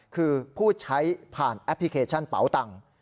คือผู้ใช้ผ่านแอปพลิเคชันเป๋าตังค์